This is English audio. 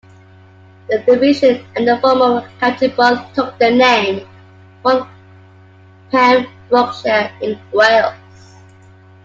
The division and the former county both took their name from Pembrokeshire in Wales.